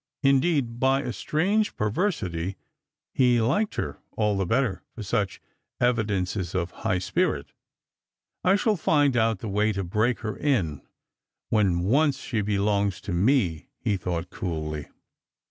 Indeed, by b. strange perversity, he liked her all the better for such evidencea of high spirit. " I shall find out the way to break her in when once she be longs to me," he thought coolly.